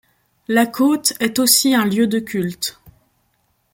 La Côte est aussi un lieu de culte.